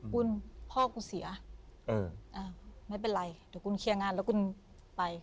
คุณพ่อกูเสียอ้าวไม่เป็นไรเดี๋ยวคุณเคลียร์งานแล้วคุณไป